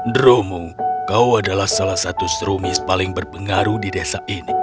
dromu kau adalah salah satu serumis paling berpengaruh di desa ini